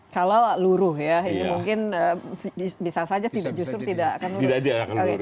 kalau luruh ya ini mungkin bisa saja justru tidak akan lurus